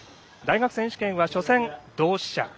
大学選手権は初戦、同志社。